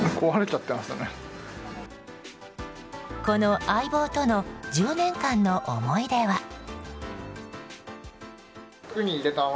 この相棒との１０年間の思い出は。